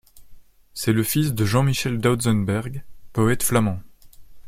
C'est le fils de Jean-Michel Dautzenberg, poète flamand.